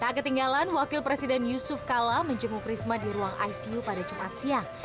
tak ketinggalan wakil presiden yusuf kala menjenguk risma di ruang icu pada jumat siang